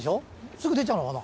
すぐ出ちゃうのかな？